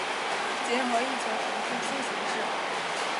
结合疫情防控新形势